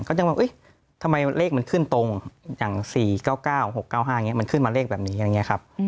ก็ยังว่าทำไมเลขมันขึ้นตรงอย่าง๔๙๙๖๙๕มันขึ้นมาเลขแบบนี้ครับ